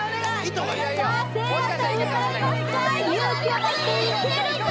勇気を持っていけるか？